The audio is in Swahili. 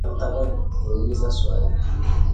Nataka kuuliza swali